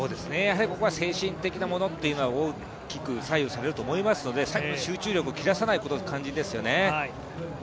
ここは精神的なものっていうのは大きく左右されると思いますので最後の集中力を切らさないのが肝心なところですよね。